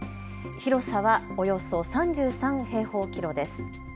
広さはおよそ３３平方キロです。